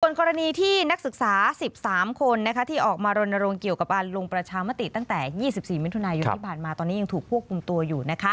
กรณีที่นักศึกษา๑๓คนที่ออกมารณรงค์เกี่ยวกับการลงประชามติตั้งแต่๒๔มิถุนายนที่ผ่านมาตอนนี้ยังถูกควบคุมตัวอยู่